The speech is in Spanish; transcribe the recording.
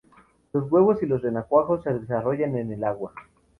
Los huevos y los renacuajos se desarrollan en el agua.